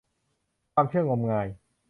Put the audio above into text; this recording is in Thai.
ความเชื่องมงาย